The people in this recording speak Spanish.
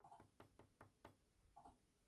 Fue empleado de la "United Bank for Africa".